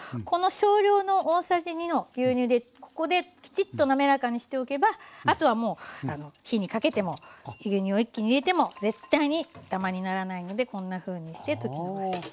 この少量の大さじ２の牛乳でここできちっとなめらかにしておけばあとはもう火にかけても牛乳を一気に入れても絶対にダマにならないのでこんなふうにして溶きのばす。